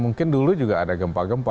mungkin dulu juga ada gempa gempa